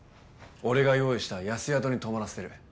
俺が用意した安宿に泊まらせてる。